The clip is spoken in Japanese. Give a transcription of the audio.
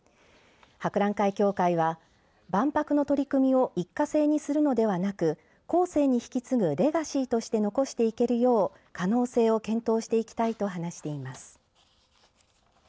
博覧会協会は万博の取り組みを一過性にするのではなく後世に引き継ぐレガシーとして残していけるよう可能性を検討していきたいと話しています。